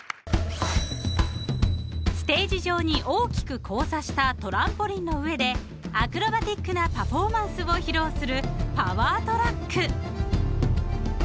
［ステージ上に大きく交差したトランポリンの上でアクロバティックなパフォーマンスを披露する］